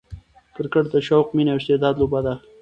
کرکټ د شوق، میني او استعداد لوبه ده.